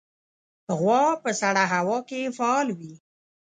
غوا په سړه هوا کې فعال وي.